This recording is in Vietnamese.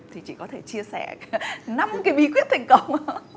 thì chị có thể chia sẻ năm cái bí quyết thành công